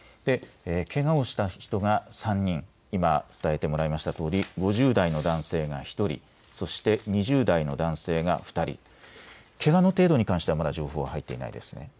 けがをした人が３人今伝えてもらいましたとおり、５０代の男性が１人、そして２０代の男性が２人、けがの程度に関してはまだ情報は入っていないですね。